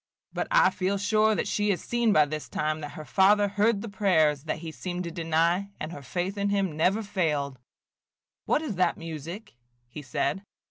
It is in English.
But I feel sure that she has seen by this time that her Father heard the prayers that he seemed to deny, and her faith in him never failed. What is that music?" he said.